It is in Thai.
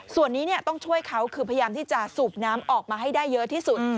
ส่วนนี้ต้องช่วยเขาคือพยายามที่จะสูบน้ำออกมาให้ได้เยอะที่สุด